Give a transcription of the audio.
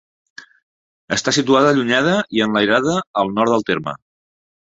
Està situada allunyada, i enlairada, al nord del terme.